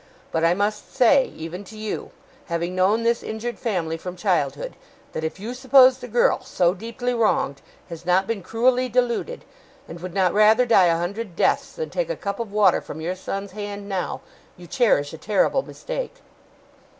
But I must say, even to you, having known this injured family from childhood, that if you suppose the girl, so deeply wronged, has not been cruelly deluded, and would not rather die a hundred deaths than take a cup of water from your son's hand now, you cherish a terrible mistake.